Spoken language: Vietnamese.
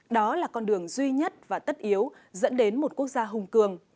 đó là con đường duy nhất và tất yếu dẫn đến một quốc gia hùng cường